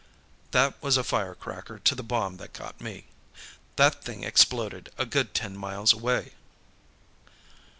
"That was a firecracker to the bomb that got me. That thing exploded a good ten miles away."